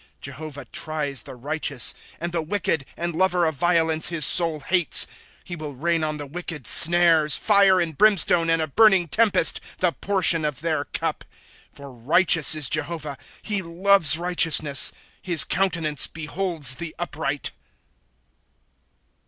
* Jehovah tries the righteous ; And the wicked, and lover of violence, his soul hates. ' He will rain on the wicked snares, Fire and brimstone, and a burning tempest, — The portion of their cup !' For righteous is Jehovah, he loves righteousness ; His countenance beholds the upright.